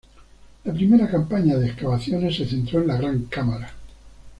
La primera campaña de excavaciones se centró en la gran cámara.